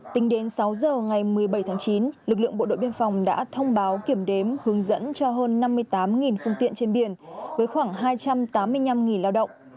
tính đến sáu giờ ngày một mươi bảy tháng chín lực lượng bộ đội biên phòng đã thông báo kiểm đếm hướng dẫn cho hơn năm mươi tám phương tiện trên biển với khoảng hai trăm tám mươi năm lao động